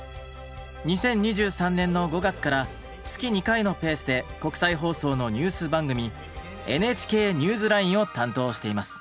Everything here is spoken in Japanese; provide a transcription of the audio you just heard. ２０２３年の５月から月２回のペースで国際放送のニュース番組「ＮＨＫＮＥＷＳＬＩＮＥ」を担当しています。